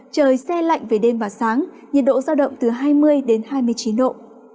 trời xe lạnh về đêm và sáng nhiệt độ giao động từ hai mươi đến hai mươi chín độ